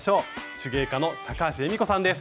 手芸家の高橋恵美子さんです。